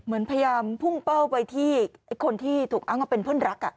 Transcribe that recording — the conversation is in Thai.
เหมือนพยายามพุ่งเป้าไปที่คนที่ถูกอ้างว่าเป็นเพื่อนรัก